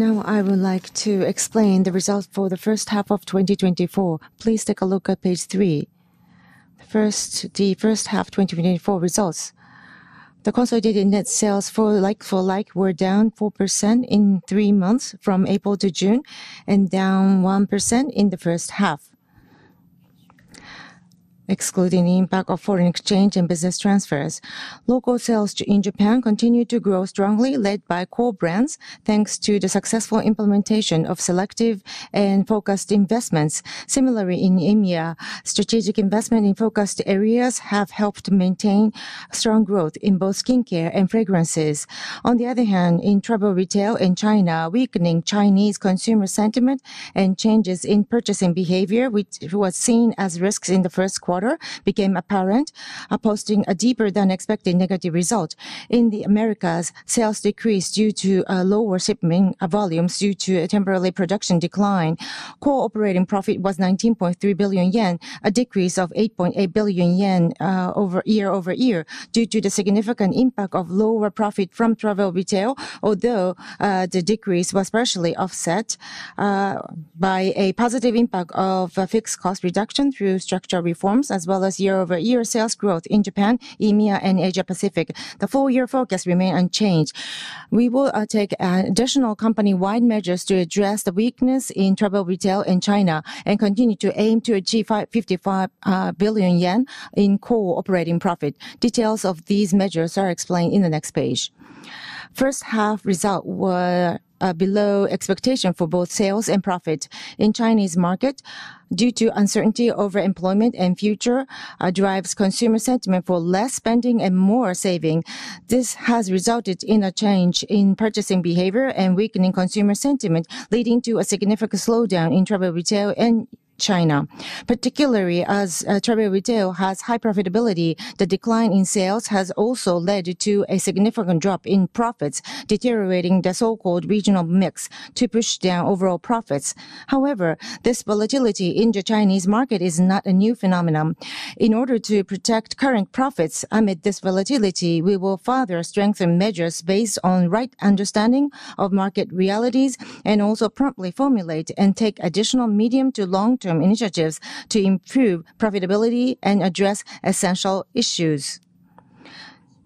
Now I would like to explain the results for the first half of 2024. Please take a look at page 3. First, the first half 2024 results. The consolidated net sales for like-for-like were down 4% in 3 months from April to June, and down 1% in the first half, excluding the impact of foreign exchange and business transfers. Local sales in Japan continued to grow strongly, led by core brands, thanks to the successful implementation of selective and focused investments. Similarly, in EMEA, strategic investment in focused areas have helped maintain strong growth in both skincare and fragrances. On the other hand, in Travel Retail in China, weakening Chinese consumer sentiment and changes in purchasing behavior, which was seen as risks in the first quarter, became apparent, posting a deeper-than-expected negative result. In the Americas, sales decreased due to lower shipment volumes due to a temporary production decline. Core operating profit was 19.3 billion yen, a decrease of 8.8 billion yen year-over-year, due to the significant impact of lower profit from Travel Retail. Although the decrease was partially offset by a positive impact of a fixed cost reduction through structural reforms, as well as year-over-year sales growth in Japan, EMEA, and Asia Pacific. The full year focus remains unchanged. We will take additional company-wide measures to address the weakness in Travel Retail in China, and continue to aim to achieve 55 billion yen in core operating profit. Details of these measures are explained on the next page. First half results were below expectation for both sales and profit. In Chinese market, due to uncertainty over employment and future, drives consumer sentiment for less spending and more saving. This has resulted in a change in purchasing behavior and weakening consumer sentiment, leading to a significant slowdown in Travel Retail in China. Particularly, as Travel Retail has high profitability, the decline in sales has also led to a significant drop in profits, deteriorating the so-called regional mix to push down overall profits. However, this volatility in the Chinese market is not a new phenomenon. In order to protect current profits amid this volatility, we will further strengthen measures based on right understanding of market realities, and also promptly formulate and take additional medium to long-term initiatives to improve profitability and address essential issues.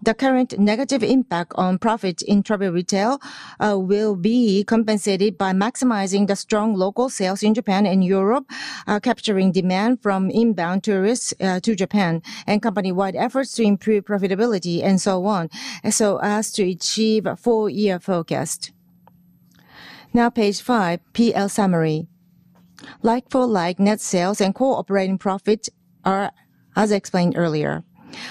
The current negative impact on profits in Travel Retail will be compensated by maximizing the strong local sales in Japan and Europe, capturing demand from inbound tourists to Japan, and company-wide efforts to improve profitability, and so on, so as to achieve a full year forecast. Now, page 5, P&L summary. Like-for-like net sales and core operating profit are as explained earlier.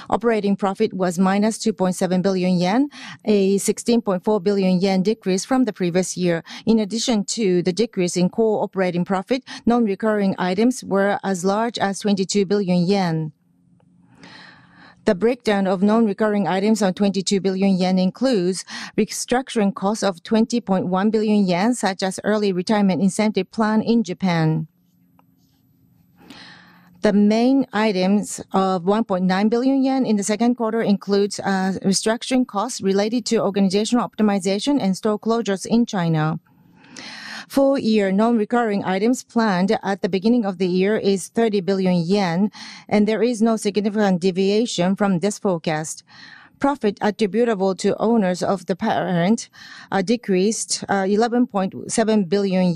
Operating profit was -2.7 billion yen, a 16.4 billion yen decrease from the previous year. In addition to the decrease in core operating profit, non-recurring items were as large as 22 billion yen. The breakdown of non-recurring items on 22 billion yen includes restructuring costs of 20.1 billion yen, such as early retirement incentive plan in Japan. The main items of 1.9 billion yen in the second quarter includes restructuring costs related to organizational optimization and store closures in China. Full year non-recurring items planned at the beginning of the year is 30 billion yen, and there is no significant deviation from this forecast. Profit attributable to owners of the parent decreased 11.7 billion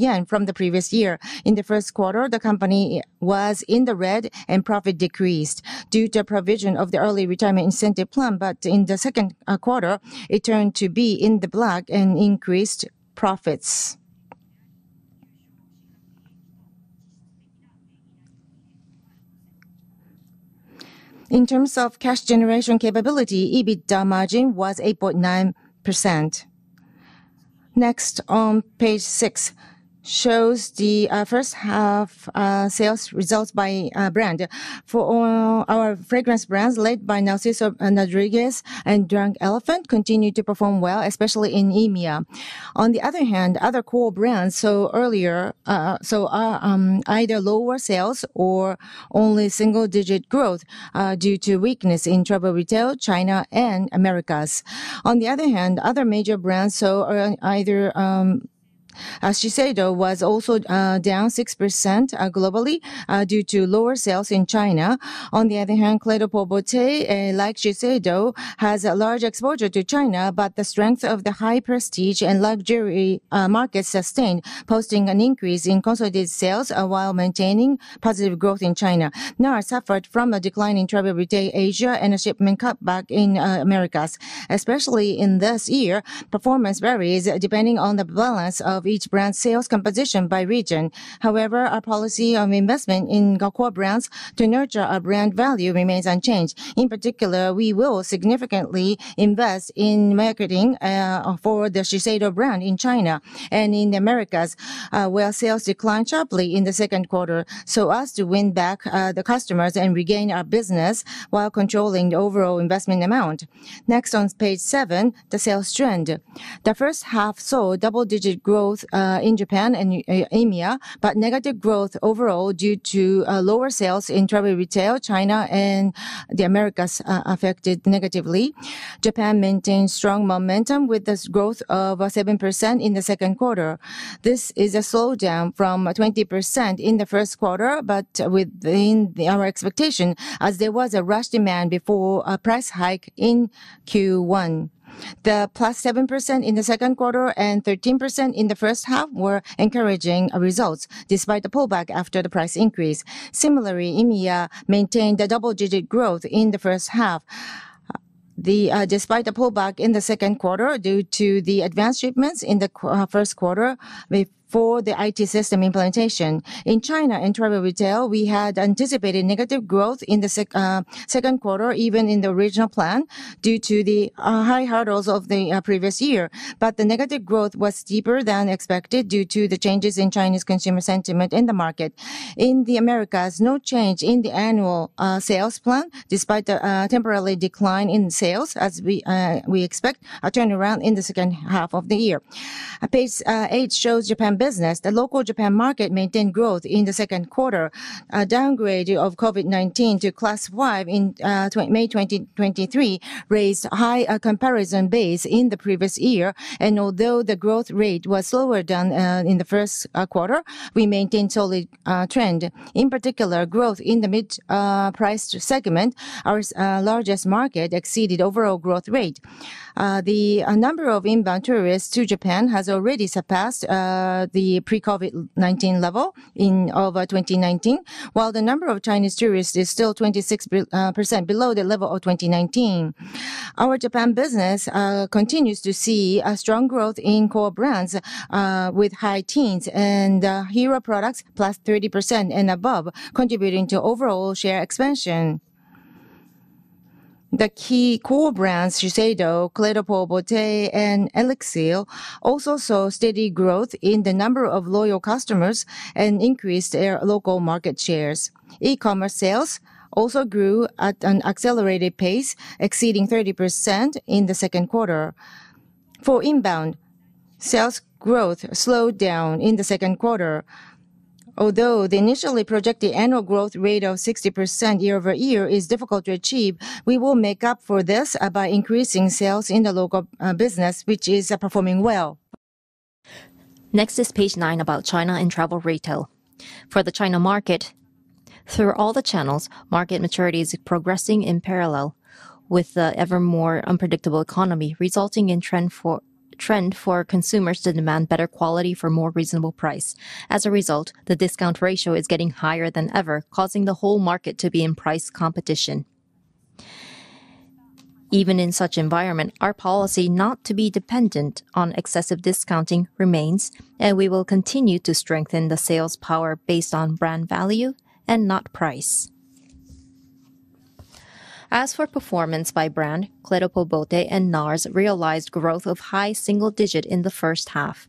yen from the previous year. In the first quarter, the company was in the red, and profit decreased due to provision of the early retirement incentive plan. But in the second quarter, it turned to be in the black and increased profits. In terms of cash generation capability, EBITDA margin was 8.9%. Next, on page 6, shows the first half sales results by brand. For our fragrance brands, led by Narciso Rodriguez and Drunk Elephant, continued to perform well, especially in EMEA. On the other hand, other core brands either lower sales or only single-digit growth due to weakness in Travel Retail, China, and Americas. On the other hand, other major brands, brand SHISEIDO was also down 6% globally due to lower sales in China. On the other hand, Clé de Peau Beauté, like Shiseido, has a large exposure to China, but the strength of the high prestige and luxury market sustained, posting an increase in consolidated sales while maintaining positive growth in China. NARS suffered from a decline in Travel Retail Asia and a shipment cutback in Americas. Especially in this year, performance varies depending on the balance of each brand's sales composition by region. However, our policy of investment in core brands to nurture our brand value remains unchanged. In particular, we will significantly invest in marketing for the Shiseido brand in China and in the Americas, where sales declined sharply in the second quarter, so as to win back the customers and regain our business while controlling the overall investment amount. Next, on page seven, the sales trend. The first half saw double-digit growth in Japan and EMEA, but negative growth overall due to lower sales in Travel Retail, China, and the Americas, affected negatively. Japan maintained strong momentum with this growth of 7% in the second quarter. This is a slowdown from 20% in the first quarter, but within our expectation, as there was a rush demand before a price hike in Q1. The +7% in the second quarter and 13% in the first half were encouraging results, despite the pullback after the price increase. Similarly, EMEA maintained a double-digit growth in the first half. Despite the pullback in the second quarter due to the advanced shipments in the first quarter before the IT system implementation. In China, in Travel Retail, we had anticipated negative growth in the second quarter, even in the original plan, due to the high hurdles of the previous year. But the negative growth was deeper than expected due to the changes in Chinese consumer sentiment in the market. In the Americas, no change in the annual sales plan, despite the temporary decline in sales as we expect a turnaround in the second half of the year. Page 8 shows Japan business. The local Japan market maintained growth in the second quarter. A downgrade of COVID-19 to Class 5 in May 2023 raised high comparison base in the previous year, and although the growth rate was lower than in the first quarter, we maintained solid trend. In particular, growth in the mid price segment, our largest market exceeded overall growth rate. The number of inbound tourists to Japan has already surpassed the pre-COVID-19 level in 2019. While the number of Chinese tourists is still 26% below the level of 2019, our Japan business continues to see a strong growth in core brands with high teens and hero products plus 30% and above, contributing to overall share expansion. The key core brands, Shiseido, Clé de Peau Beauté, and ELIXIR, also saw steady growth in the number of loyal customers and increased their local market shares. E-commerce sales also grew at an accelerated pace, exceeding 30% in the second quarter. For inbound, sales growth slowed down in the second quarter. Although the initially projected annual growth rate of 60% year-over-year is difficult to achieve, we will make up for this by increasing sales in the local business, which is performing well. Next is page 9 about China and Travel Retail. For the China market, through all the channels, market maturity is progressing in parallel with the ever more unpredictable economy, resulting in trend for consumers to demand better quality for more reasonable price. As a result, the discount ratio is getting higher than ever, causing the whole market to be in price competition. Even in such environment, our policy not to be dependent on excessive discounting remains, and we will continue to strengthen the sales power based on brand value and not price. As for performance by brand, Clé de Peau Beauté and NARS realized growth of high single-digit in the first half.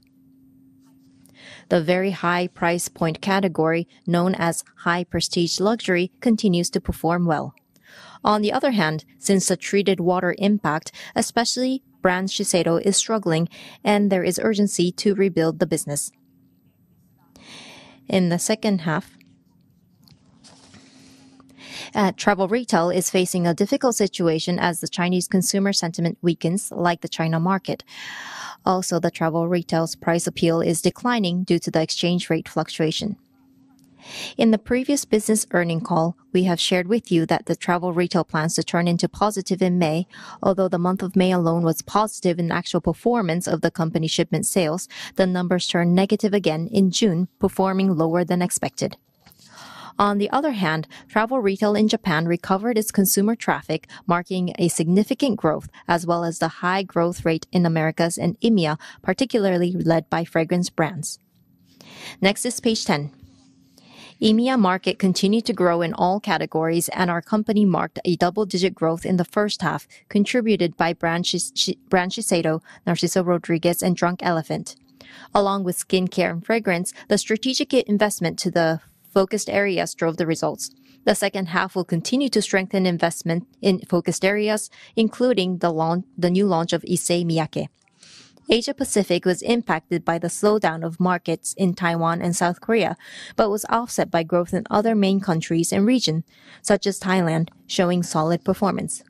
The very high price point category, known as high prestige luxury, continues to perform well. On the other hand, since the treated water impact, especially brand SHISEIDO is struggling, and there is urgency to rebuild the business. In the second half, Travel Retail is facing a difficult situation as the Chinese consumer sentiment weakens, like the China market. Also, the Travel Retail's price appeal is declining due to the exchange rate fluctuation. In the previous business earnings call, we have shared with you that the Travel Retail plans to turn into positive in May. Although the month of May alone was positive in the actual performance of the company shipment sales, the numbers turned negative again in June, performing lower than expected. On the other hand, Travel Retail in Japan recovered its consumer traffic, marking a significant growth, as well as the high growth rate in Americas and EMEA, particularly led by fragrance brands. Next is page ten. EMEA market continued to grow in all categories, and our company marked a double-digit growth in the first half, contributed by brand SHISEIDO, Narciso Rodriguez and Drunk Elephant. Along with skincare and fragrance, the strategic investment to the focused areas drove the results. The second half will continue to strengthen investment in focused areas, including the new launch of Issey Miyake. Asia Pacific was impacted by the slowdown of markets in Taiwan and South Korea, but was offset by growth in other main countries and region, such as Thailand, showing solid performance.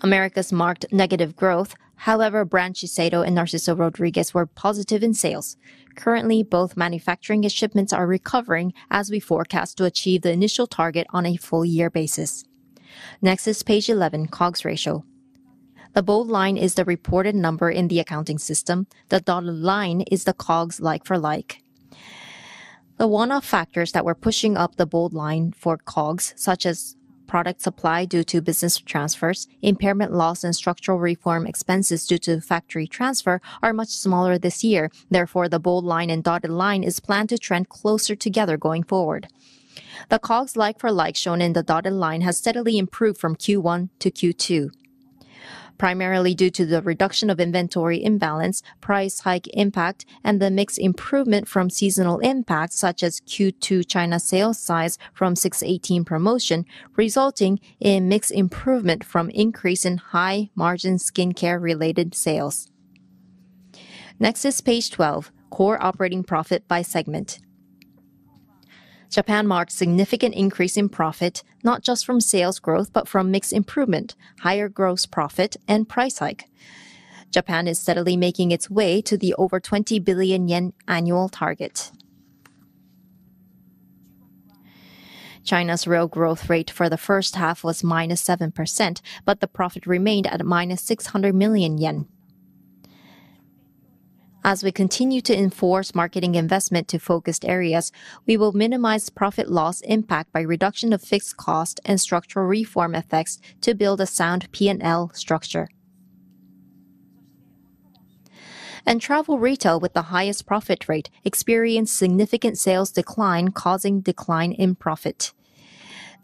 Americas marked negative growth. However, brand SHISEIDO and Narciso Rodriguez were positive in sales. Currently, both manufacturing and shipments are recovering as we forecast to achieve the initial target on a full year basis. Next is page 11, COGS ratio. The bold line is the reported number in the accounting system. The dotted line is the COGS like-for-like. The one-off factors that were pushing up the bold line for COGS, such as product supply due to business transfers, impairment loss and structural reform expenses due to factory transfer, are much smaller this year. Therefore, the bold line and dotted line is planned to trend closer together going forward. The COGS like-for-like, shown in the dotted line, has steadily improved from Q1-Q2, primarily due to the reduction of inventory imbalance, price hike impact, and the mix improvement from seasonal impacts, such as Q2 China sales size from 618 promotion, resulting in mix improvement from increase in high-margin skincare-related sales. Next is page 12, core operating profit by segment. Japan marked significant increase in profit, not just from sales growth, but from mix improvement, higher gross profit and price hike. Japan is steadily making its way to the over 20 billion yen annual target. China's real growth rate for the first half was -7%, but the profit remained at -600 million yen. As we continue to enforce marketing investment to focused areas, we will minimize profit loss impact by reduction of fixed cost and structural reform effects to build a sound P&L structure. And Travel Retail, with the highest profit rate, experienced significant sales decline, causing decline in profit.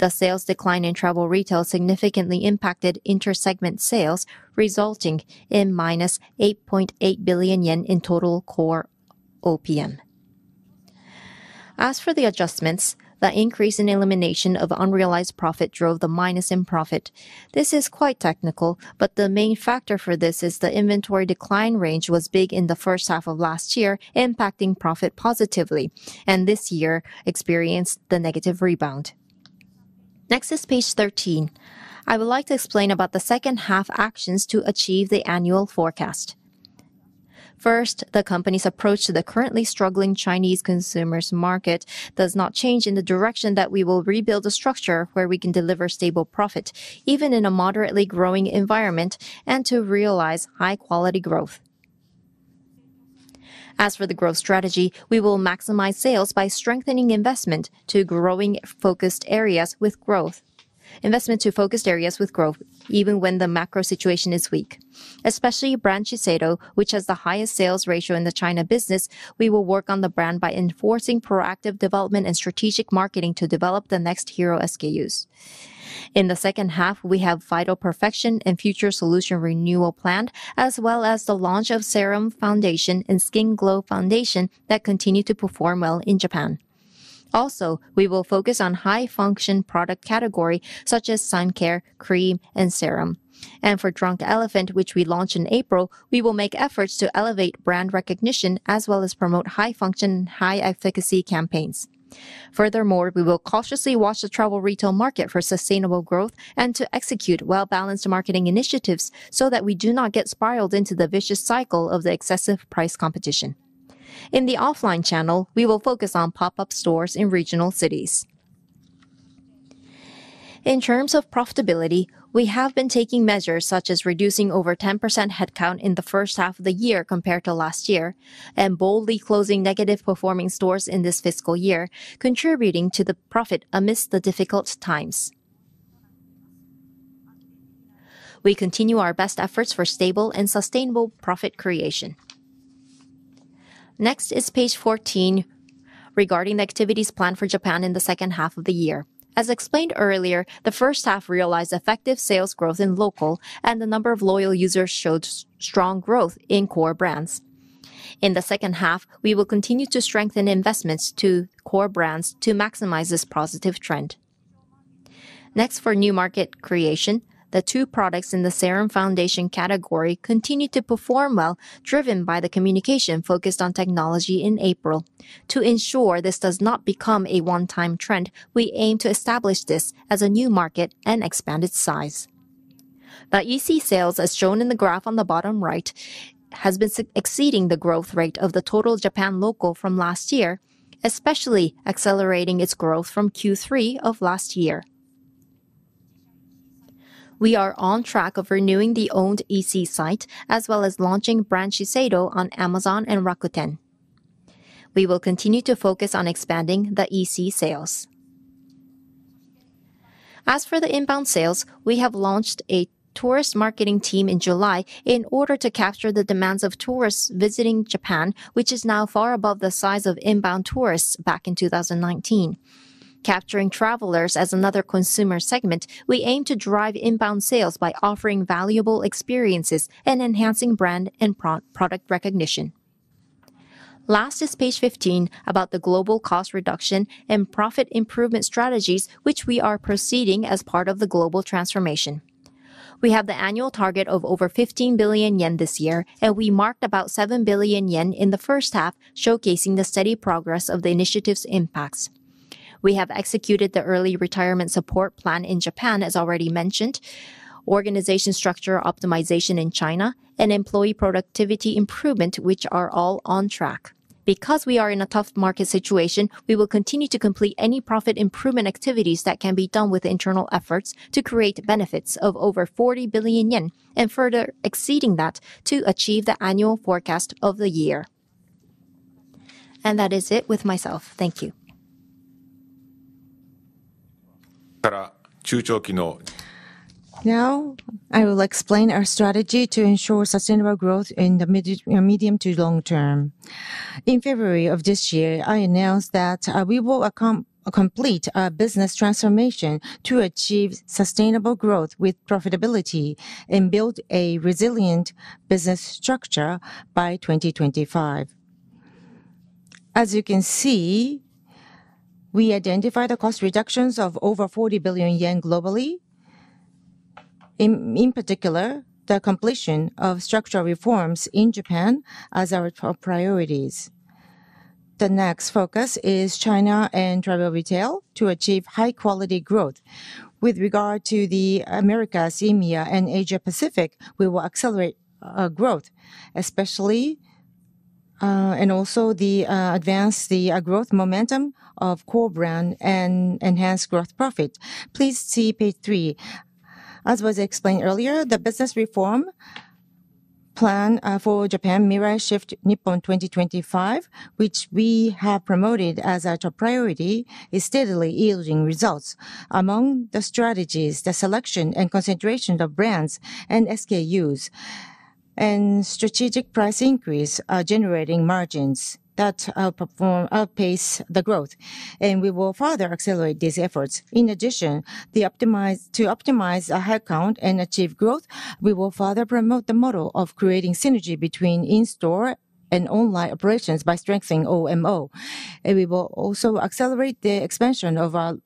The sales decline in Travel Retail significantly impacted inter-segment sales, resulting in -8.8 billion yen in total core OPM. As for the adjustments, the increase in elimination of unrealized profit drove the minus in profit. This is quite technical, but the main factor for this is the inventory decline range was big in the first half of last year, impacting profit positively, and this year experienced the negative rebound. Next is page 13. I would like to explain about the second half actions to achieve the annual forecast. First, the company's approach to the currently struggling Chinese consumer market does not change in the direction that we will rebuild a structure where we can deliver stable profit, even in a moderately growing environment, and to realize high-quality growth. As for the growth strategy, we will maximize sales by strengthening investment to focused areas with growth even when the macro situation is weak. Especially brand SHISEIDO, which has the highest sales ratio in the China business, we will work on the brand by enforcing proactive development and strategic marketing to develop the next hero SKUs. In the second half, we have Vital Perfection and Future Solution renewal planned, as well as the launch of Serum Foundation and Skin Glow Foundation that continue to perform well in Japan. Also, we will focus on high-function product category, such as sun care, cream, and serum. For Drunk Elephant, which we launched in April, we will make efforts to elevate brand recognition, as well as promote high-function, high-efficacy campaigns. Furthermore, we will cautiously watch the Travel Retail market for sustainable growth and to execute well-balanced marketing initiatives so that we do not get spiraled into the vicious cycle of the excessive price competition. In the offline channel, we will focus on pop-up stores in regional cities. In terms of profitability, we have been taking measures such as reducing over 10% headcount in the first half of the year compared to last year, and boldly closing negative-performing stores in this fiscal year, contributing to the profit amidst the difficult times. We continue our best efforts for stable and sustainable profit creation. Next is page 14, regarding the activities planned for Japan in the second half of the year. As explained earlier, the first half realized effective sales growth in local, and the number of loyal users showed strong growth in core brands. In the second half, we will continue to strengthen investments to core brands to maximize this positive trend. Next, for new market creation, the two products in the Serum Foundation category continue to perform well, driven by the communication focused on technology in April. To ensure this does not become a one-time trend, we aim to establish this as a new market and expand its size. The EC sales, as shown in the graph on the bottom right, has been exceeding the growth rate of the total Japan local from last year, especially accelerating its growth from Q3 of last year. We are on track of renewing the owned EC site, as well as launching brand SHISEIDO on Amazon and Rakuten. We will continue to focus on expanding the EC sales. As for the inbound sales, we have launched a tourist marketing team in July in order to capture the demands of tourists visiting Japan, which is now far above the size of inbound tourists back in 2019. Capturing travelers as another consumer segment, we aim to drive inbound sales by offering valuable experiences and enhancing brand and product recognition. Last is page 15, about the global cost reduction and profit improvement strategies, which we are proceeding as part of the global transformation. We have the annual target of over 15 billion yen this year, and we marked about 7 billion yen in the first half, showcasing the steady progress of the initiative's impacts. We have executed the early retirement support plan in Japan, as already mentioned, organization structure optimization in China, and employee productivity improvement, which are all on track. Because we are in a tough market situation, we will continue to complete any profit improvement activities that can be done with internal efforts to create benefits of over 40 billion yen and further exceeding that to achieve the annual forecast of the year. That is it with myself. Thank you. Now, I will explain our strategy to ensure sustainable growth in the, you know, medium to long term. In February of this year, I announced that we will complete a business transformation to achieve sustainable growth with profitability and build a resilient business structure by 2025. As you can see, we identify the cost reductions of over 40 billion yen globally. In particular, the completion of structural reforms in Japan as our top priorities. The next focus is China and Travel Retail to achieve high-quality growth. With regard to the Americas, EMEA, and Asia Pacific, we will accelerate growth, especially and also advance the growth momentum of core brand and enhance gross profit. Please see page 3. As was explained earlier, the business reform plan for Japan, Mirai Shift NIPPON 2025, which we have promoted as our top priority, is steadily yielding results. Among the strategies, the selection and concentration of brands and SKUs and strategic price increase are generating margins that outpace the growth, and we will further accelerate these efforts. In addition, to optimize our headcount and achieve growth, we will further promote the model of creating synergy between in-store and online operations by strengthening OMO. We will also accelerate the expansion of our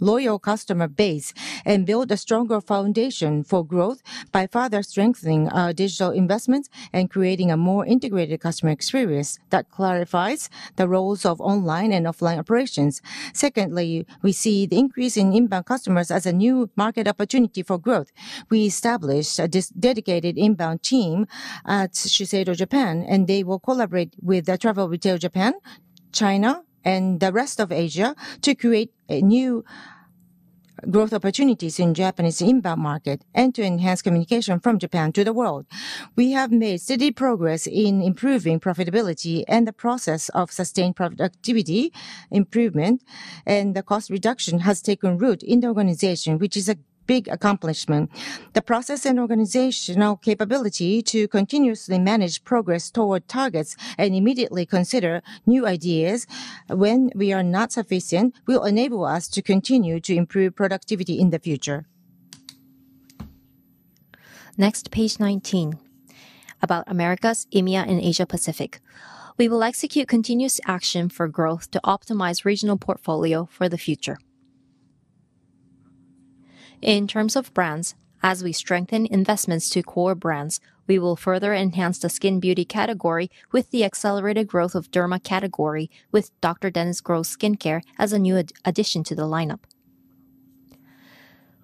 loyal customer base and build a stronger foundation for growth by further strengthening our digital investments and creating a more integrated customer experience that clarifies the roles of online and offline operations. Secondly, we see the increase in inbound customers as a new market opportunity for growth. We established a dedicated inbound team at Shiseido Japan, and they will collaborate with the Travel Retail Japan, China, and the rest of Asia to create new growth opportunities in Japanese inbound market and to enhance communication from Japan to the world. We have made steady progress in improving profitability and the process of sustained productivity improvement, and the cost reduction has taken root in the organization, which is a big accomplishment. The process and organizational capability to continuously manage progress toward targets and immediately consider new ideas when we are not sufficient, will enable us to continue to improve productivity in the future. Next, page 19, about Americas, EMEA, and Asia Pacific. We will execute continuous action for growth to optimize regional portfolio for the future. In terms of brands, as we strengthen investments to core brands, we will further enhance the skin beauty category with the accelerated growth of derma category, with Dr. Dennis Gross Skincare as a new addition to the lineup.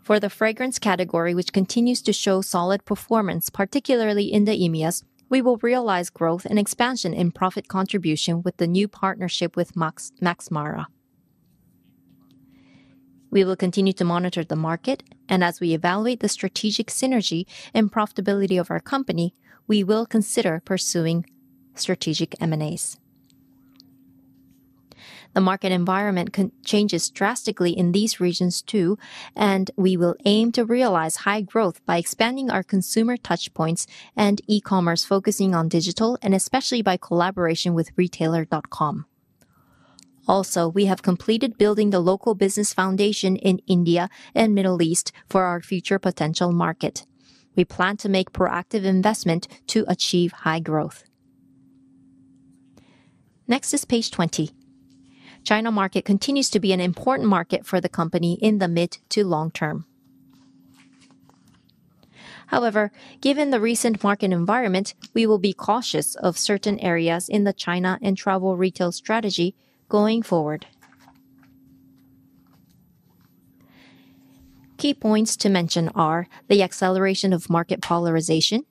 For the fragrance category, which continues to show solid performance, particularly in the EMEA, we will realize growth and expansion in profit contribution with the new partnership with Max Mara. We will continue to monitor the market, and as we evaluate the strategic synergy and profitability of our company, we will consider pursuing strategic M&As. The market environment changes drastically in these regions, too, and we will aim to realize high growth by expanding our consumer touchpoints and e-commerce, focusing on digital, and especially by collaboration with retailer.com. Also, we have completed building the local business foundation in India and Middle East for our future potential market. We plan to make proactive investment to achieve high growth. Next is page 20. China market continues to be an important market for the company in the mid to long term. However, given the recent market environment, we will be cautious of certain areas in the China and Travel Retail strategy going forward. Key points to mention are the acceleration of market polarization,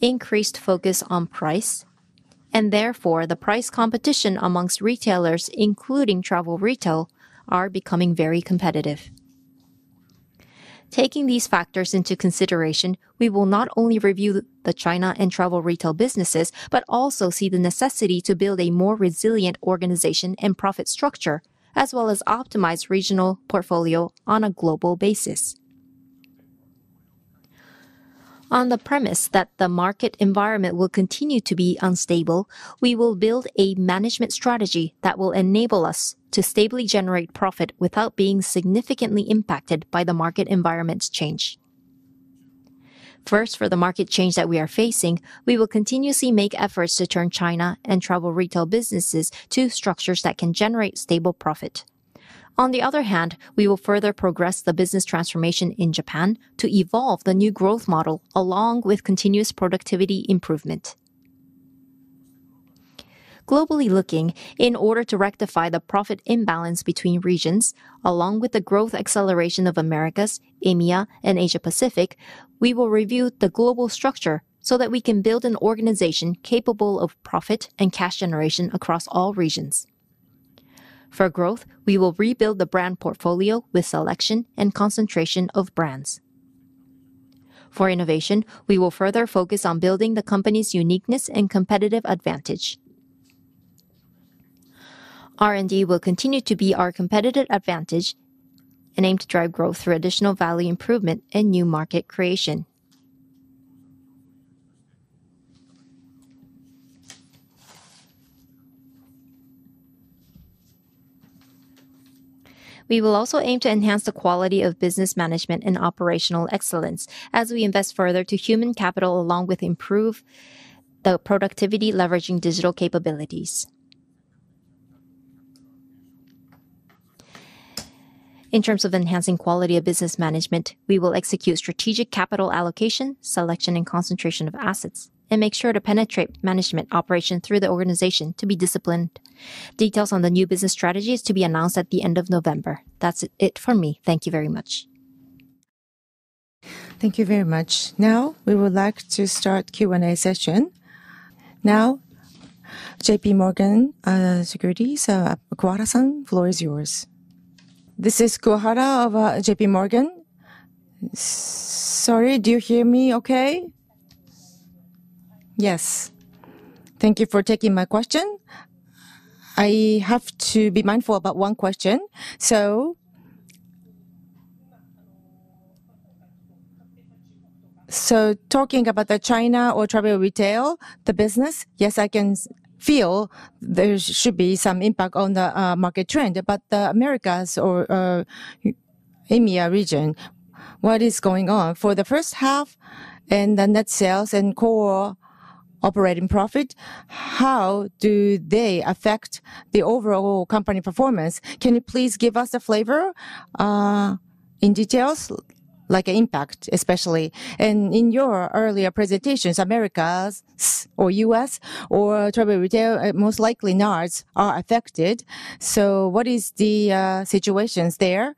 increased focus on price, and therefore, the price competition among retailers, including Travel Retail, are becoming very competitive. Taking these factors into consideration, we will not only review the China and Travel Retail businesses, but also see the necessity to build a more resilient organization and profit structure, as well as optimize regional portfolio on a global basis. On the premise that the market environment will continue to be unstable, we will build a management strategy that will enable us to stably generate profit without being significantly impacted by the market environment's change. First, for the market change that we are facing, we will continuously make efforts to turn China and Travel Retail businesses to structures that can generate stable profit. On the other hand, we will further progress the business transformation in Japan to evolve the new growth model along with continuous productivity improvement. Globally looking, in order to rectify the profit imbalance between regions, along with the growth acceleration of Americas, EMEA, and Asia Pacific, we will review the global structure so that we can build an organization capable of profit and cash generation across all regions. For growth, we will rebuild the brand portfolio with selection and concentration of brands. For innovation, we will further focus on building the company's uniqueness and competitive advantage. R&D will continue to be our competitive advantage and aim to drive growth through additional value improvement and new market creation. We will also aim to enhance the quality of business management and operational excellence as we invest further to human capital, along with improve the productivity, leveraging digital capabilities. In terms of enhancing quality of business management, we will execute strategic capital allocation, selection, and concentration of assets, and make sure to penetrate management operation through the organization to be disciplined. Details on the new business strategy is to be announced at the end of November. That's it for me. Thank you very much. Thank you very much. Now, we would like to start Q&A session. J.P. Morgan Securities Kuwahara-san, floor is yours. This is Kuwahara of J.P. Morgan. Sorry, do you hear me okay? Yes. Thank you for taking my question. I have to be mindful about one question. So talking about the China or Travel Retail business, yes, I can feel there should be some impact on the market trend. But the Americas or EMEA region, what is going on? For the first half and the net sales and core operating profit, how do they affect the overall company performance? Can you please give us a flavor in detail, like impact especially? And in your earlier presentations, Americas or U.S. or Travel Retail, most likely NARS are affected. So what is the situations there?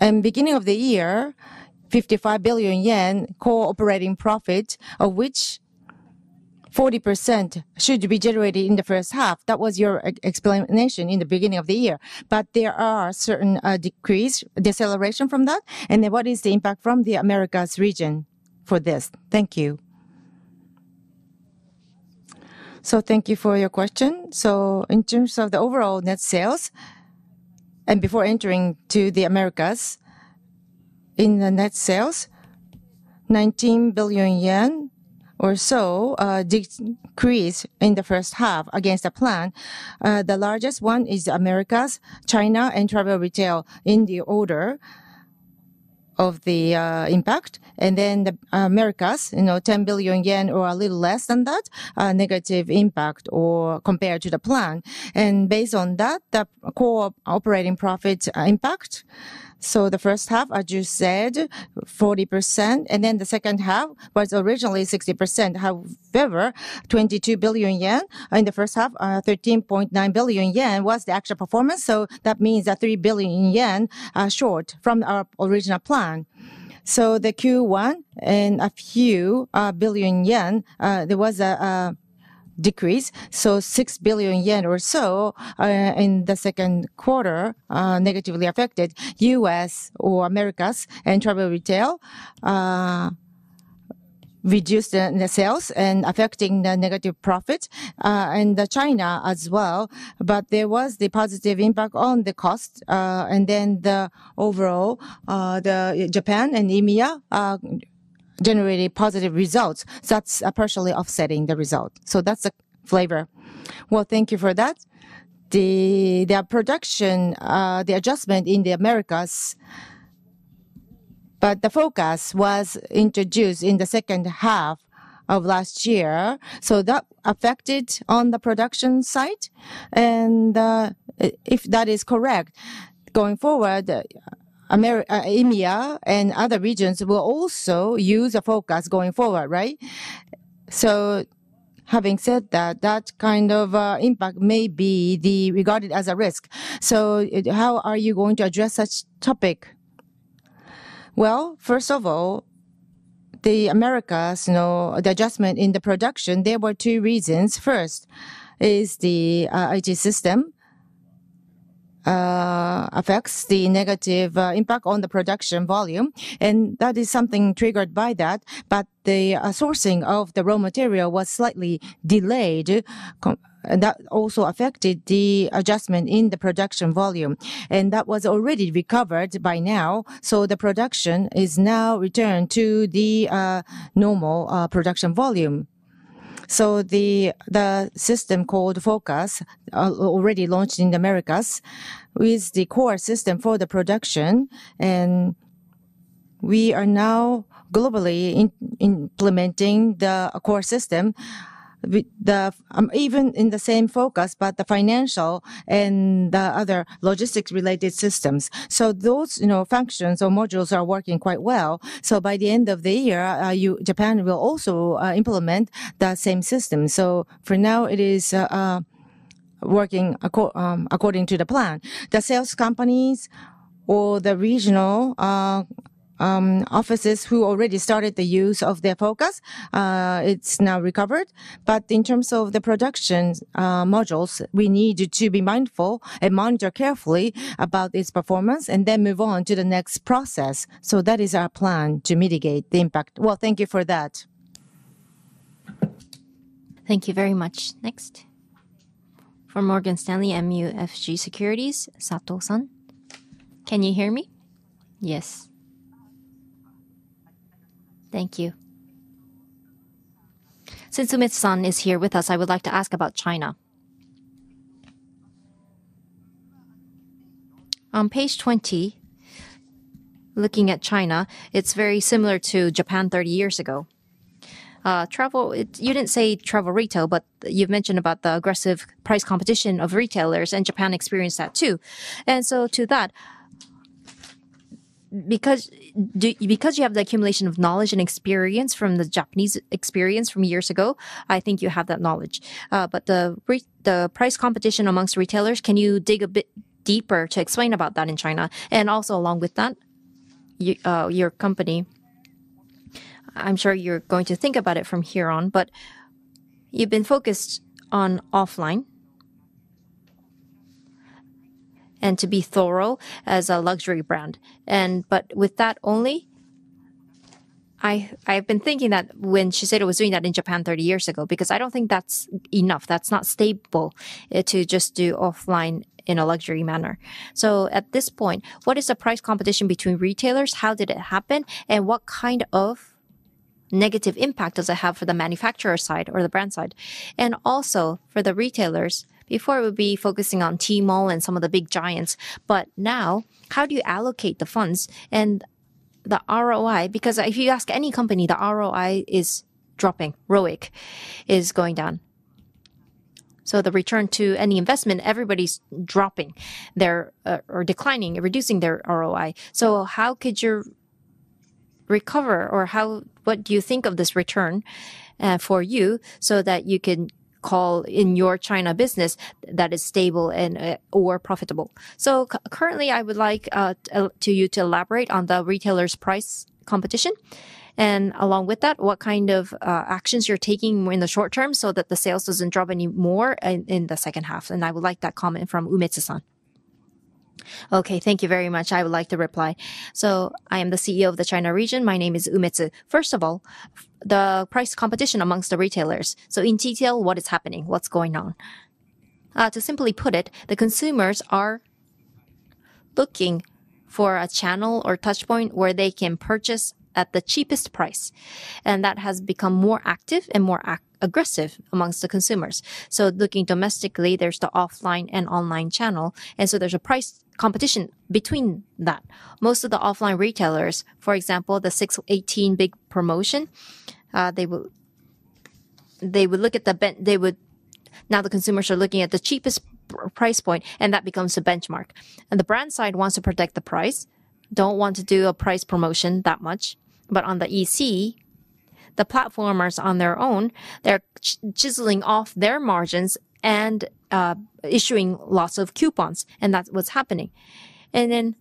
In the beginning of the year, 55 billion yen core operating profit, of which 40% should be generated in the first half. That was your explanation in the beginning of the year. But there are certain decrease, deceleration from that. And then what is the impact from the Americas region for this? Thank you. So thank you for your question. So in terms of the overall net sales, and before entering to the Americas, in the net sales, 19 billion yen or so decrease in the first half against the plan. The largest one is Americas, China, and Travel Retail in the order of the impact. And then the Americas, you know, 10 billion yen or a little less than that negative impact or compared to the plan. Based on that, the core operating profit impact, so the first half, as you said, 40%, and then the second half was originally 60%. However, 22 billion yen, in the first half, 13.9 billion yen was the actual performance, so that means that 3 billion yen short from our original plan. So the Q1 and a few billion yen, there was a decrease, so 6 billion yen or so in the second quarter, negatively affected U.S. or Americas and Travel Retail, reduced the sales and affecting the negative profit in China as well. But there was the positive impact on the cost, and then the overall, the Japan and EMEA generated positive results. So that's partially offsetting the result. So that's the flavor. Well, thank you for that. The production adjustment in the Americas, but the FOCUS was introduced in the second half of last year, so that affected the production side? And if that is correct, going forward, Americas, EMEA and other regions will also use a FOCUS going forward, right? So having said that, that kind of impact may be regarded as a risk. So how are you going to address such topic? Well, first of all, the Americas, you know, the adjustment in the production, there were two reasons. First is the IT system affects the negative impact on the production volume, and that is something triggered by that. But the sourcing of the raw material was slightly delayed, and that also affected the adjustment in the production volume. That was already recovered by now, so the production is now returned to the normal production volume. So the system called FOCUS already launched in the Americas is the core system for the production, and we are now globally implementing the core system. Even in the same FOCUS but the financial and the other logistics-related systems. So those, you know, functions or modules are working quite well. So by the end of the year, Japan will also implement that same system. So for now, it is working according to the plan. The sales companies or the regional offices who already started the use of their FOCUS it's now recovered. In terms of the production modules, we need to be mindful and monitor carefully about its performance and then move on to the next process. That is our plan to mitigate the impact. Well, thank you for that. Thank you very much. Next, for Morgan Stanley MUFG Securities, Sato-san. Can you hear me? Yes. Thank you. Since Umetsu-san is here with us, I would like to ask about China. On page 20, looking at China, it's very similar to Japan 30 years ago. You didn't say Travel Retail, but you've mentioned about the aggressive price competition of retailers, and Japan experienced that too. And so to that, because you have the accumulation of knowledge and experience from the Japanese experience from years ago, I think you have that knowledge. But the price competition amongst retailers, can you dig a bit deeper to explain about that in China? And also along with that, your company, I'm sure you're going to think about it from here on, but you've been focused on offline, and to be thorough as a luxury brand. But with that only, I've been thinking that when Shiseido was doing that in Japan 30 years ago, because I don't think that's enough. That's not stable to just do offline in a luxury manner. So at this point, what is the price competition between retailers? How did it happen? And what kind of negative impact does it have for the manufacturer side or the brand side? And also, for the retailers, before it would be focusing on Tmall and some of the big giants, but now how do you allocate the funds and the ROI? Because if you ask any company, the ROI is dropping. ROIC is going down. So the return to any investment, everybody's dropping their or declining, reducing their ROI. So how could you recover or what do you think of this return for you so that you can call in your China business that is stable and or profitable? So currently, I would like to you to elaborate on the retailers' price competition, and along with that, what kind of actions you're taking more in the short term so that the sales doesn't drop any more in the second half, and I would like that comment from Umetsu-san. Okay, thank you very much. I would like to reply. So I am the CEO of the China region. My name is Umetsu. First of all, the price competition amongst the retailers. So in detail, what is happening? What's going on? To simply put it, the consumers are looking for a channel or touchpoint where they can purchase at the cheapest price, and that has become more active and more aggressive amongst the consumers. So looking domestically, there's the offline and online channel, and so there's a price competition between that. Most of the offline retailers, for example, the 618 big promotion. Now, the consumers are looking at the cheapest price point, and that becomes the benchmark. And the brand side wants to protect the price, don't want to do a price promotion that much. But on the EC, the platformers on their own, they're chiseling off their margins and issuing lots of coupons, and that's what's happening. And then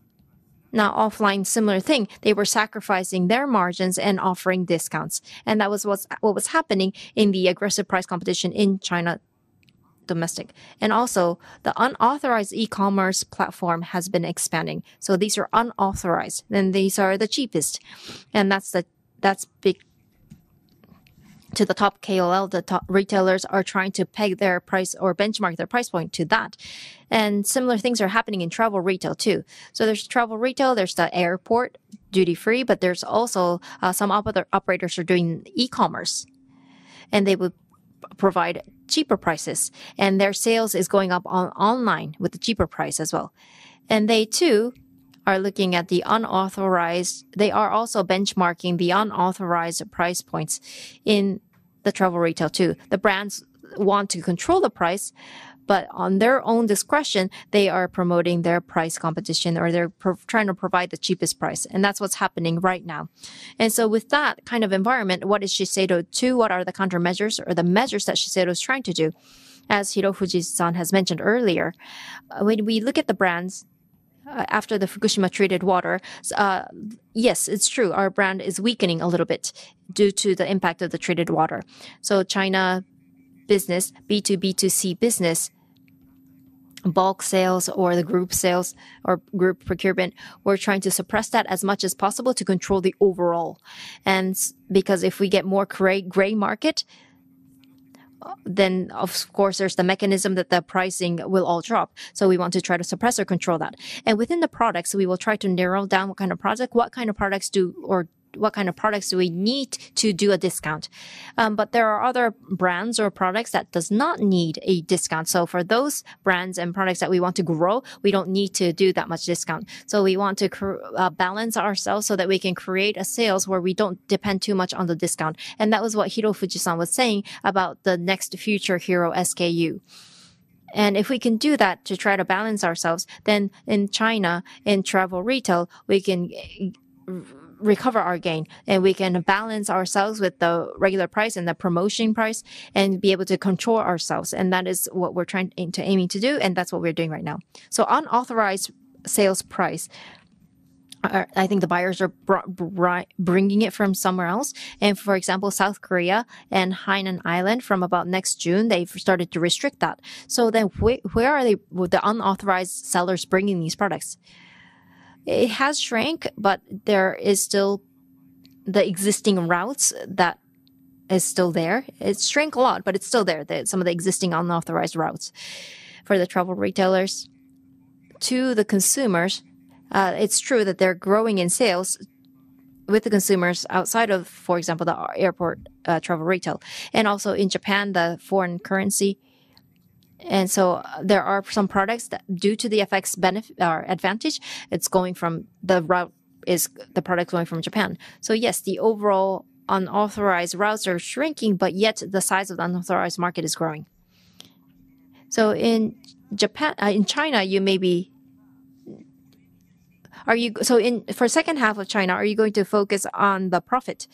now offline, similar thing. They were sacrificing their margins and offering discounts, and that was what was happening in the aggressive price competition in China domestic. And also, the unauthorized e-commerce platform has been expanding, so these are unauthorized, and these are the cheapest. And that's big to the top KOL. The top retailers are trying to peg their price or benchmark their price point to that. And similar things are happening in Travel Retail, too. So there's Travel Retail, there's the airport duty-free, but there's also some other operators are doing e-commerce, and they would provide cheaper prices, and their sales is going up on online with the cheaper price as well. And they, too, are looking at the unauthorized. They are also benchmarking the unauthorized price points in the Travel Retail, too. The brands want to control the price, but on their own discretion, they are promoting their price competition, or they're trying to provide the cheapest price, and that's what's happening right now. So with that kind of environment, what is Shiseido to? What are the countermeasures or the measures that Shiseido is trying to do? As Fujiwara-san has mentioned earlier, when we look at the brands, after the Fukushima Treated Water, yes, it's true, our brand is weakening a little bit due to the impact of the Treated Water. So China business, B2B2C business, bulk sales or the group sales or group procurement, we're trying to suppress that as much as possible to control the overall. And because if we get more gray, gray market, then, of course, there's the mechanism that the pricing will all drop. So we want to try to suppress or control that. And within the products, we will try to narrow down what kind of product, what kind of products do, or what kind of products do we need to do a discount? But there are other brands or products that does not need a discount. So for those brands and products that we want to grow, we don't need to do that much discount. So we want to balance ourselves so that we can create a sales where we don't depend too much on the discount. And that was what Fujiwara-san was saying about the next future hero SKU. And if we can do that to try to balance ourselves, then in China, in Travel Retail, we can recover our gain, and we can balance ourselves with the regular price and the promotion price and be able to control ourselves. And that is what we're aiming to do, and that's what we're doing right now. So unauthorized sales price, I think the buyers are bringing it from somewhere else. And, for example, South Korea and Hainan Island from about next June, they've started to restrict that. So then where are they, the unauthorized sellers, bringing these products? It has shrank, but there is still the existing routes that is still there. It shrank a lot, but it's still there, some of the existing unauthorized routes for the Travel Retailers. To the consumers, it's true that they're growing in sales with the consumers outside of, for example, the airport, Travel Retail, and also in Japan, the foreign currency. And so there are some products that, due to the FX benefit, advantage, it's going from the route, is the product going from Japan. So yes, the overall unauthorized routes are shrinking, but yet the size of the unauthorized market is growing. So in China, for second half of China, are you going to focus on the profit?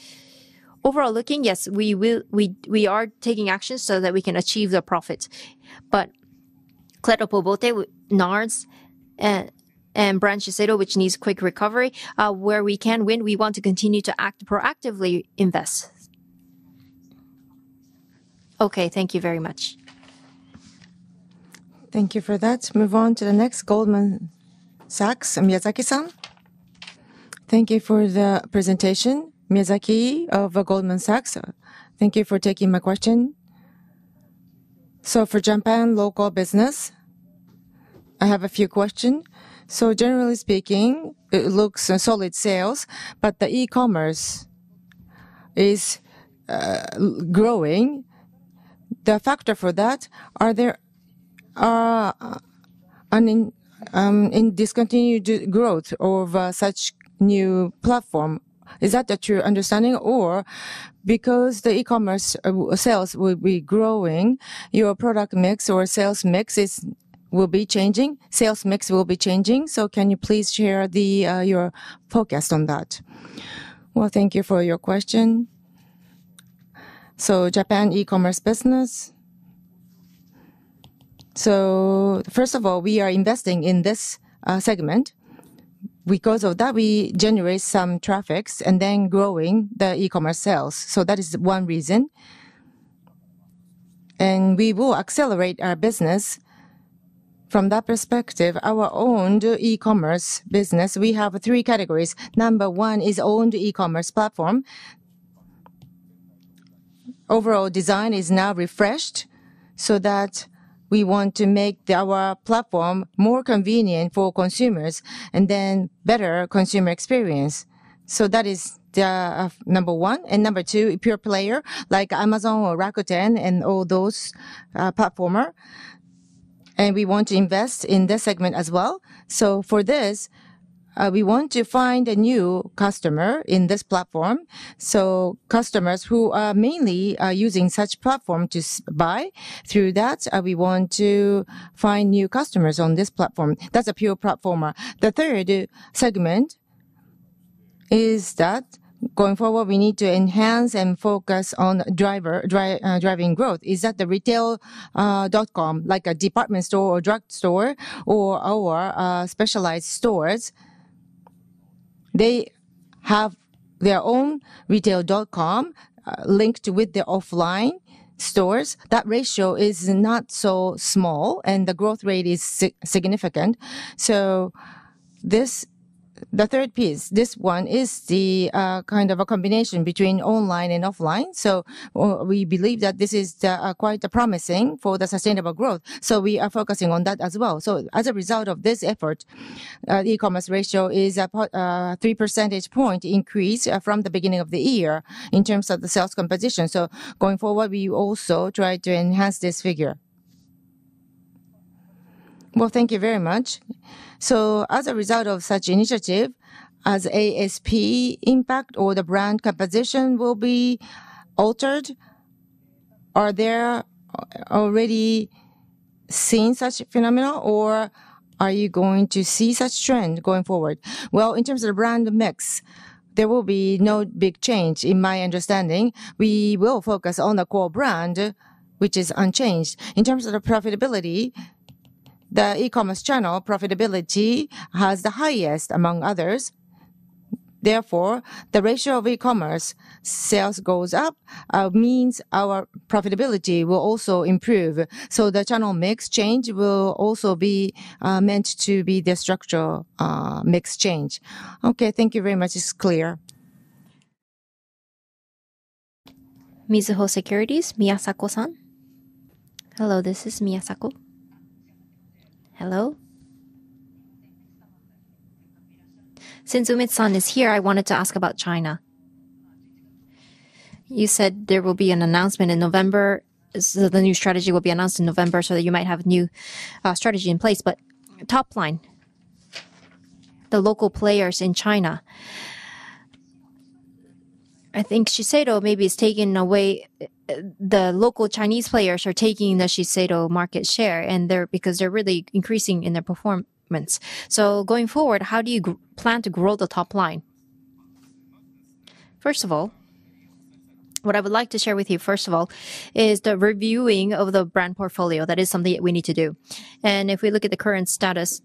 Overall looking, yes, we will. We are taking actions so that we can achieve the profit, but Clé de Peau Beauté, NARS, and brand SHISEIDO, which needs quick recovery. Where we can win, we want to continue to act proactively invest. Okay, thank you very much. Thank you for that. Move on to the next, Goldman Sachs, Miyazaki-san. Thank you for the presentation. Miyazaki of Goldman Sachs. Thank you for taking my question. So for Japan local business, I have a few question. So generally speaking, it looks solid sales, but the e-commerce is growing. The factor for that, are there in discontinued growth of such new platform? Is that your understanding? Or because the e-commerce sales will be growing, your product mix or sales mix is, will be changing, sales mix will be changing. So can you please share the your focus on that? Well, thank you for your question. So Japan e-commerce business. So first of all, we are investing in this segment. Because of that, we generate some traffics and then growing the e-commerce sales, so that is one reason. We will accelerate our business from that perspective. Our own e-commerce business, we have three categories. Number one is owned e-commerce platform. Overall design is now refreshed, so that we want to make our platform more convenient for consumers and then better consumer experience. So that is the number one and number two, pure player, like Amazon or Rakuten and all those platformer, and we want to invest in this segment as well. So for this, we want to find a new customer in this platform, so customers who are mainly using such platform to buy. Through that, we want to find new customers on this platform. That's a pure platformer. The third segment is that going forward, we need to enhance and focus on driving growth, is that the retail dot-com, like a department store or drug store or our specialized stores. They have their own retail dot-com linked with the offline stores. That ratio is not so small, and the growth rate is significant. So this, the third piece, this one is the kind of a combination between online and offline. So we believe that this is quite promising for the sustainable growth, so we are focusing on that as well. So as a result of this effort, e-commerce ratio is about 3 percentage point increase from the beginning of the year in terms of the sales composition. So going forward, we also try to enhance this figure. Well, thank you very much. So as a result of such initiative, as ASP impact or the brand composition will be altered, are there already seeing such phenomena or are you going to see such trend going forward? Well, in terms of the brand mix, there will be no big change in my understanding. We will focus on the core brand, which is unchanged. In terms of the profitability, the e-commerce channel profitability has the highest among others. Therefore, the ratio of e-commerce sales goes up means our profitability will also improve. So the channel mix change will also be meant to be the structural mix change. Okay, thank you very much. It's clear. Mizuho Securities, Miyasaka-san. Hello, this is Miyasaka. Hello? Since Umetsu-san is here, I wanted to ask about China. You said there will be an announcement in November. So the new strategy will be announced in November, so that you might have new strategy in place. But top line, the local players in China. I think Shiseido maybe is taking away the local Chinese players are taking the Shiseido market share, and they're because they're really increasing in their performance. So going forward, how do you plan to grow the top line? First of all, what I would like to share with you, first of all, is the reviewing of the brand portfolio. That is something that we need to do. And if we look at the current status,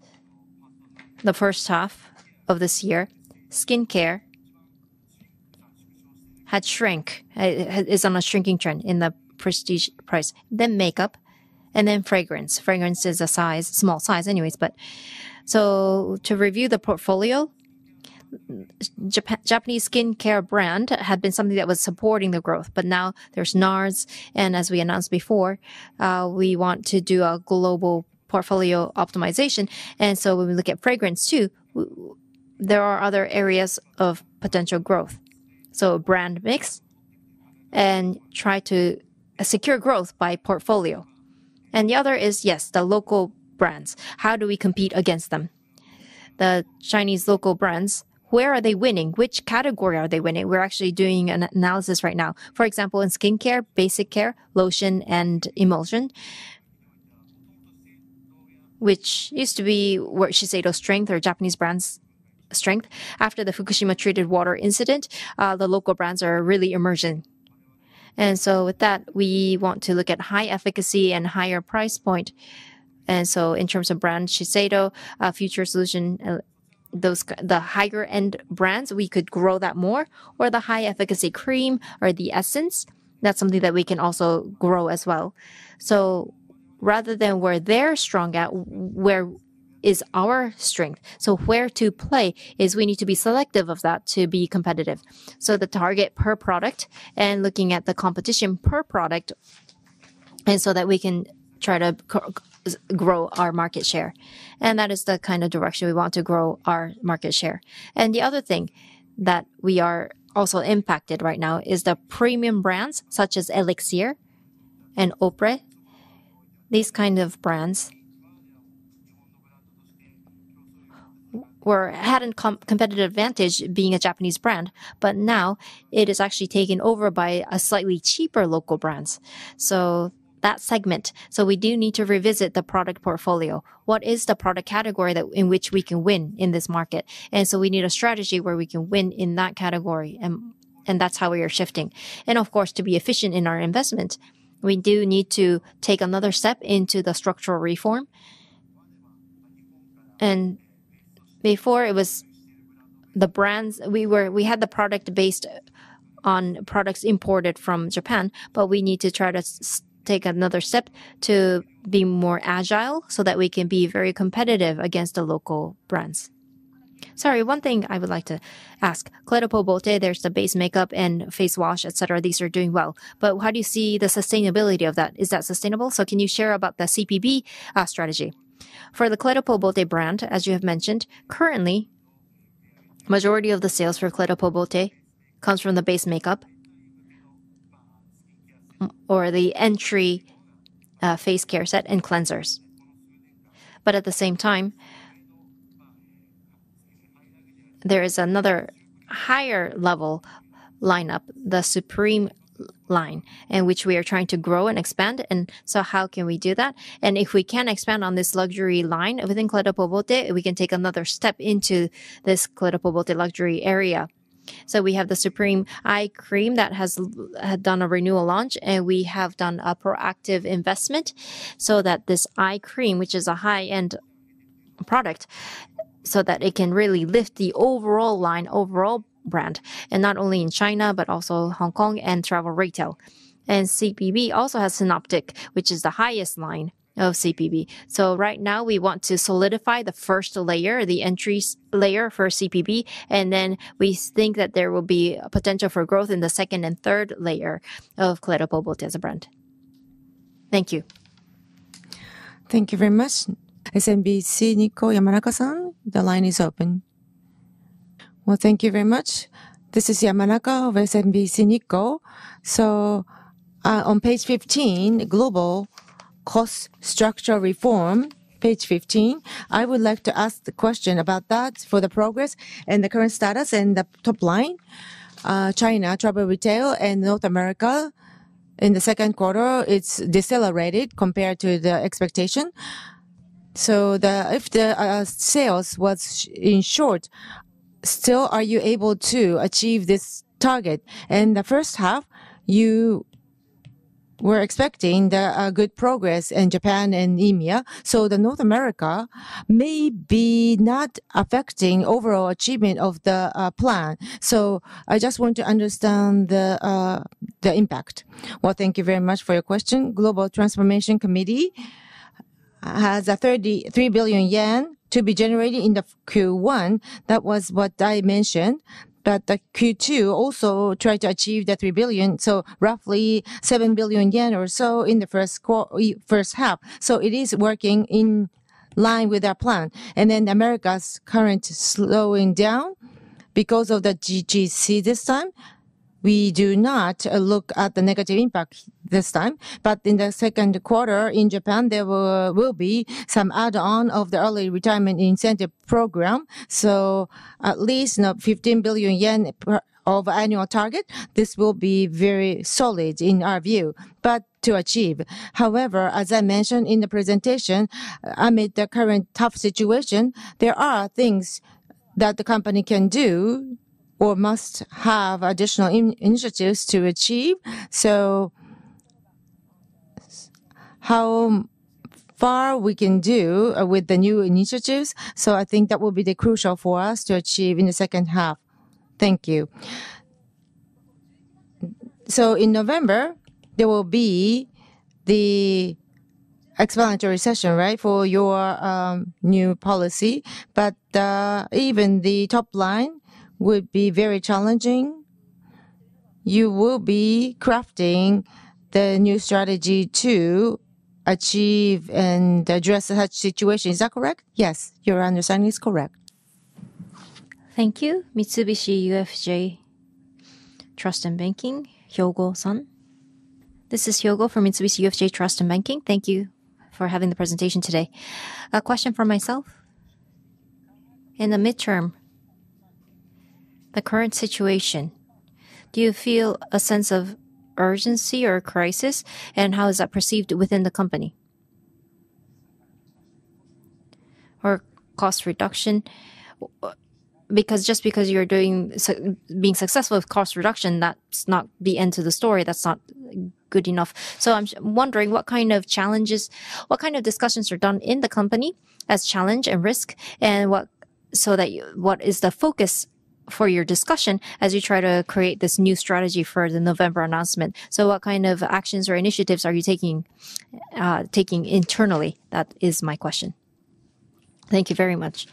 the first half of this year, skincare had shrink. It's on a shrinking trend in the prestige price, then makeup and then fragrance. Fragrance is a size, small size anyways, but. So to review the portfolio, Japanese skincare brand had been something that was supporting the growth, but now there's NARS, and as we announced before, we want to do a global portfolio optimization. And so when we look at fragrance, too, there are other areas of potential growth. So brand mix and try to secure growth by portfolio. And the other is, yes, the local brands. How do we compete against them? The Chinese local brands, where are they winning? Which category are they winning? We're actually doing an analysis right now. For example, in skincare, basic care, lotion and emulsion, which used to be where Shiseido's strength or Japanese brands' strength. After the Fukushima treated water incident, the local brands are really emerging. And so with that, we want to look at high efficacy and higher price point. And so in terms of brand SHISEIDO, Future Solution, those—the higher end brands, we could grow that more, or the high efficacy cream or the essence, that's something that we can also grow as well. So rather than where they're strong at, where is our strength? So where to play is we need to be selective of that to be competitive. So the target per product and looking at the competition per product, and so that we can try to grow our market share. And that is the kind of direction we want to grow our market share. And the other thing that we are also impacted right now is the premium brands such as ELIXIR and AUPRES. These kind of brands had no competitive advantage being a Japanese brand, but now it is actually taken over by slightly cheaper local brands. So that segment. So we do need to revisit the product portfolio. What is the product category that in which we can win in this market? And so we need a strategy where we can win in that category, and that's how we are shifting. And of course, to be efficient in our investment, we do need to take another step into the structural reform. And before it was the brands. We had the product based on products imported from Japan, but we need to try to take another step to be more agile so that we can be very competitive against the local brands. Sorry, one thing I would like to ask. Clé de Peau Beauté, there's the base makeup and face wash, et cetera. These are doing well, but how do you see the sustainability of that? Is that sustainable? So can you share about the CPB strategy? For the Clé de Peau Beauté brand, as you have mentioned, currently, majority of the sales for Clé de Peau Beauté comes from the base makeup or the entry face care set and cleansers. But at the same time, there is another higher level line up, the Supreme line, in which we are trying to grow and expand, and so how can we do that? And if we can expand on this luxury line within Clé de Peau Beauté, we can take another step into this Clé de Peau Beauté luxury area. So we have the Supreme Eye Cream that has done a renewal launch, and we have done a proactive investment so that this eye cream, which is a high-end product, so that it can really lift the overall line, overall brand, and not only in China, but also Hong Kong and Travel Retail. And CPB also has Synactif, which is the highest line of CPB. So right now, we want to solidify the first layer, the entry layer for CPB, and then we think that there will be potential for growth in the second and third layer of Clé de Peau Beauté as a brand. Thank you. Thank you very much. SMBC Nikko, Yamanaka-san, the line is open. Well, thank you very much. This is Yamanaka of SMBC Nikko. So, on page 15, Global Cost Structure Reform, page 15, I would like to ask the question about that for the progress and the current status and the top line. China, Travel Retail, and North America in the second quarter, it's decelerated compared to the expectation. So if the sales was short, in short, still, are you able to achieve this target? In the first half, you were expecting the good progress in Japan and EMEA, so the North America may be not affecting overall achievement of the plan. So I just want to understand the impact. Well, thank you very much for your question. Global Transformation Committee has 33 billion yen to be generated in the Q1. That was what I mentioned, but the Q2 also tried to achieve the 3 billion, so roughly 7 billion yen or so in the first half. So it is working in line with our plan. And then America's currently slowing down because of the GTC this time, we do not look at the negative impact this time. But in the second quarter in Japan, there will be some add-on of the early retirement incentive program, so at least not 15 billion yen per annual target. This will be very solid in our view, but to achieve. However, as I mentioned in the presentation, amid the current tough situation, there are things that the company can do or must have additional initiatives to achieve. So how far we can do with the new initiatives, so I think that will be the crucial for us to achieve in the second half. Thank you. So in November, there will be the explanatory session, right? For your new policy. But even the top line would be very challenging. You will be crafting the new strategy to achieve and address such situation. Is that correct? Yes, your understanding is correct. Thank you. Mitsubishi UFJ Trust and Banking, Hyodo-san. This is Hyodo from Mitsubishi UFJ Trust and Banking. Thank you for having the presentation today. A question from myself. In the midterm, the current situation, do you feel a sense of urgency or crisis? And how is that perceived within the company? Or cost reduction. Because just because you're being successful with cost reduction, that's not the end to the story. That's not good enough. So I'm wondering what kind of challenges, what kind of discussions are done in the company as challenge and risk, and what is the focus for your discussion as you try to create this new strategy for the November announcement? So what kind of actions or initiatives are you taking internally? That is my question. Thank you very much.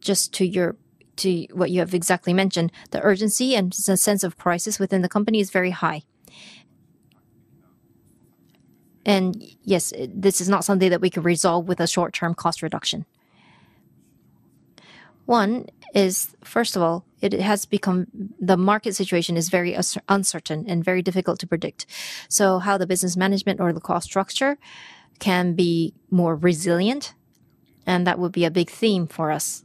Just to what you have exactly mentioned, the urgency and sense of crisis within the company is very high. And yes, this is not something that we can resolve with a short-term cost reduction. First of all, it has become. The market situation is very uncertain and very difficult to predict, so how the business management or the cost structure can be more resilient, and that would be a big theme for us.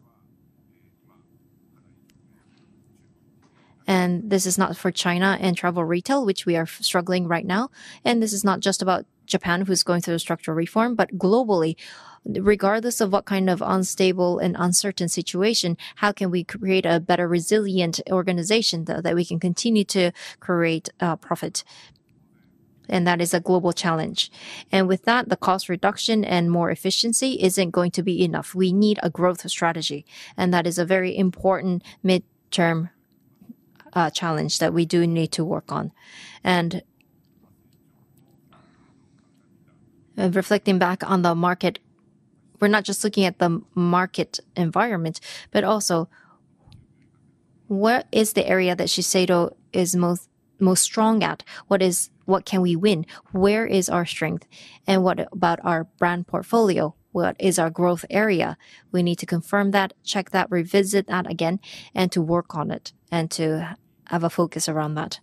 And this is not for China and Travel Retail, which we are struggling right now, and this is not just about Japan, who's going through a structural reform, but globally. Regardless of what kind of unstable and uncertain situation, how can we create a better resilient organization that we can continue to create profit? And that is a global challenge. With that, the cost reduction and more efficiency isn't going to be enough. We need a growth strategy, and that is a very important midterm challenge that we do need to work on. Reflecting back on the market, we're not just looking at the market environment, but also where is the area that Shiseido is most strong at? What can we win? Where is our strength? And what about our brand portfolio? What is our growth area? We need to confirm that, check that, revisit that again, and to work on it, and to have a focus around that.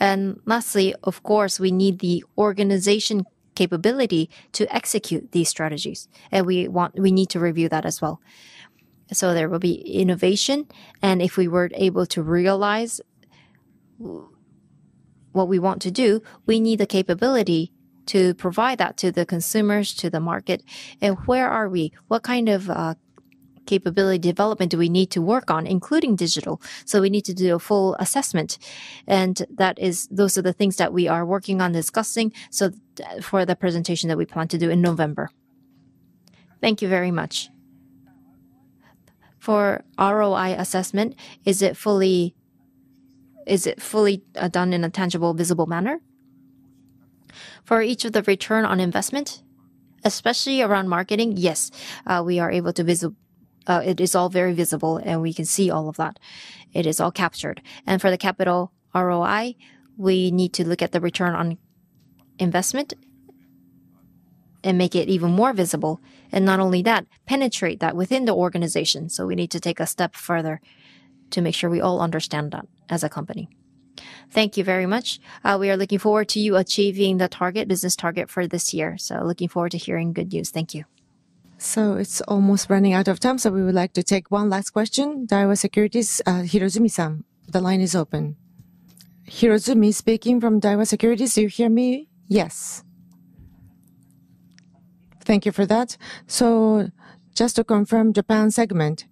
Lastly, of course, we need the organization capability to execute these strategies, and we need to review that as well. So there will be innovation, and if we were able to realize what we want to do, we need the capability to provide that to the consumers, to the market, and where are we? What kind of capability development do we need to work on, including digital? So we need to do a full assessment, and that is, those are the things that we are working on discussing, so for the presentation that we plan to do in November. Thank you very much. For ROI assessment, is it fully, is it fully done in a tangible, visible manner? For each of the return on investment, especially around marketing, yes, it is all very visible, and we can see all of that. It is all captured. For the capital ROI, we need to look at the return on investment and make it even more visible, and not only that, penetrate that within the organization. So we need to take a step further to make sure we all understand that as a company. Thank you very much. We are looking forward to you achieving the target, business target for this year. Looking forward to hearing good news. Thank you. So it's almost running out of time, so we would like to take one last question. Daiwa Securities, Hirozumi-san, the line is open. Hirozumi speaking from Daiwa Securities. Do you hear me? Yes. Thank you for that. So just to confirm Japan segment,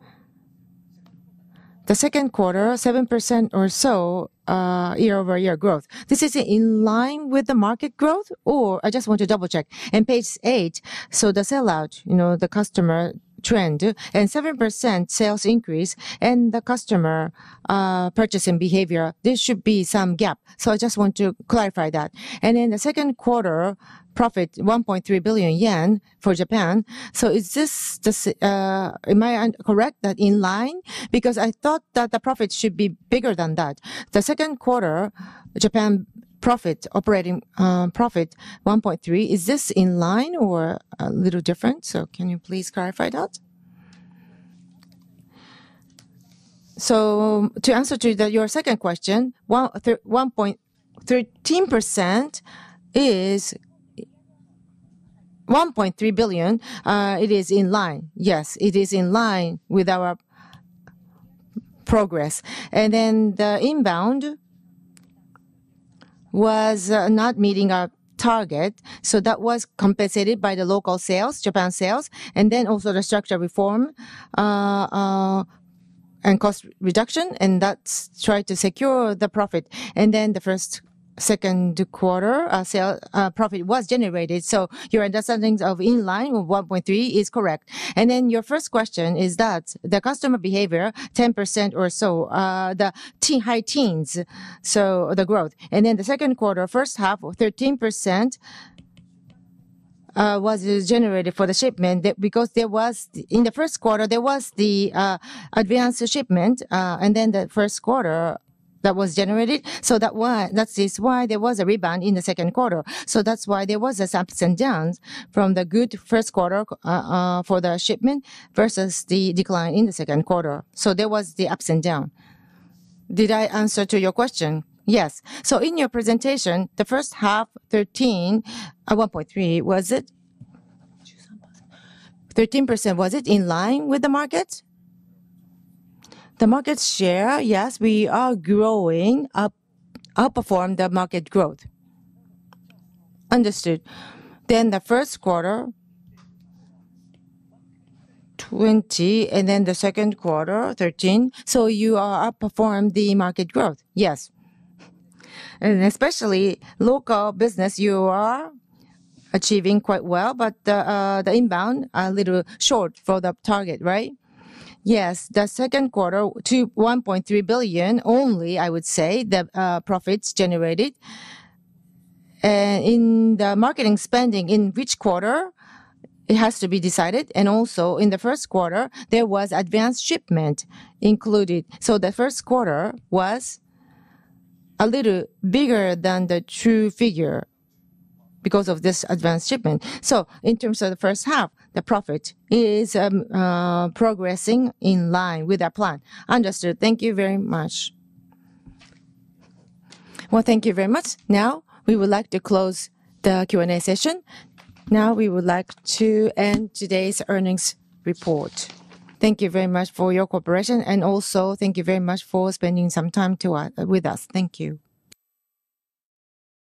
the second quarter, 7% or so, year-over-year growth. This is in line with the market growth, or? I just want to double-check. On page 8, so the sell-out, you know, the customer trend, and 7% sales increase and the customer purchasing behavior, there should be some gap. So I just want to clarify that. And in the second quarter, profit, 1.3 billion yen for Japan. So is this? Am I correct that in line? Because I thought that the profit should be bigger than that. The second quarter, Japan profit, operating profit 1.3 billion, is this in line or a little different? So can you please clarify that? So to answer to the, your second question, 1.13% is 1.3 billion, it is in line. Yes, it is in line with our progress. And then the inbound was not meeting our target, so that was compensated by the local sales, Japan sales, and then also the structure reform, and cost reduction, and that's try to secure the profit. And then the first, second quarter, sale, profit was generated. So your understandings of in line with one point three is correct. And then your first question is that the customer behavior, 10% or so, the teens, high teens, so the growth. And then the second quarter, first half of 13%, was generated for the shipment. That because there was, in the first quarter, there was the advanced shipment, and then the first quarter that was generated. So that is why there was a rebound in the second quarter. So that's why there was this ups and downs from the good first quarter for the shipment versus the decline in the second quarter. So there was the ups and down. Did I answer to your question? Yes. In your presentation, the first half, 13, 1.3, was it? 13%, was it in line with the market? The market share, yes, we are growing up, outperform the market growth. Understood. Then the first quarter, 20, and then the second quarter, 13. So you are outperform the market growth? Yes. Especially local business, you are achieving quite well, but the inbound are a little short for the target, right? Yes. The second quarter to 1.3 billion only, I would say, the profits generated. In the marketing spending, in which quarter it has to be decided, and also in the first quarter, there was advanced shipment included. So the first quarter was a little bigger than the true figure because of this advanced shipment. So in terms of the first half, the profit is progressing in line with our plan. Understood. Thank you very much. Well, thank you very much. Now, we would like to close the Q&A session. Now, we would like to end today's earnings report. Thank you very much for your cooperation, and also, thank you very much for spending some time with us. Thank you.